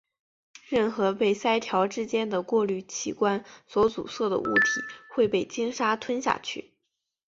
任何被鳃条之间的过滤器官所阻塞的物体会被鲸鲨吞下去。